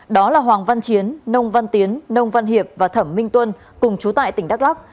đó là hoàng văn chiến nông văn tiến nông văn hiệp và thẩm minh tuân cùng chú tại tỉnh đắk lắc